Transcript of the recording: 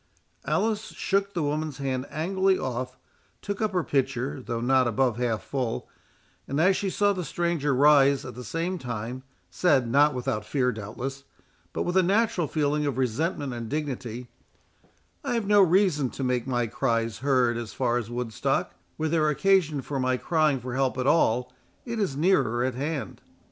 Alice shook the woman's hand angrily off, took up her pitcher, though not above half full, and as she saw the stranger rise at the same time, said, not without fear doubtless, but with a natural feeling of resentment and dignity, "I have no reason to make my cries heard as far as Woodstock; were there occasion for my crying for help at all, it is nearer at hand."